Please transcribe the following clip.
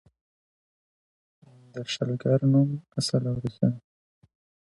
د شلګر د نوم اصل او ریښه: